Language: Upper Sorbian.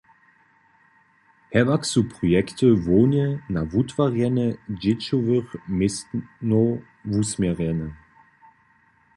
Hewak su projekty hłownje na wutworjenje dźěłowych městnow wusměrjene.